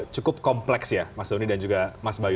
cukup kompleks ya mas doni dan juga mas bayu